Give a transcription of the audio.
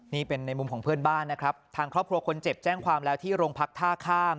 นี่เป็นในมุมของเพื่อนบ้านนะครับทางครอบครัวคนเจ็บแจ้งความแล้วที่โรงพักท่าข้าม